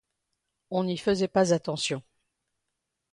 On n'y faisait pas attention.